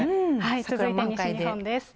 続いて西日本です。